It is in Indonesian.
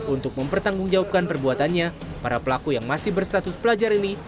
untuk mempertanggungjawabkan perbuatannya para pelaku yang masih berstatus pelajar ini